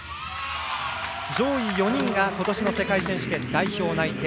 上位４人が今年の世界選手権代表内定。